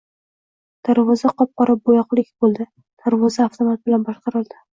Darvoza qop-qora bo‘yoqlik bo‘ldi. Darvoza avtomat bilan boshqarildi.